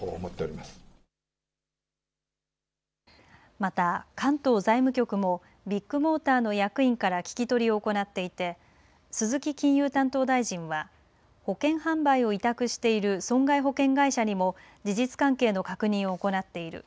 また関東財務局もビッグモーターの役員から聞き取りを行っていて鈴木金融担当大臣は保険販売を委託している損害保険会社にも事実関係の確認を行っている。